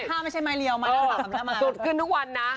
ไม่ใช่ไม้เรียวไม้สุดขึ้นทุกวันนะ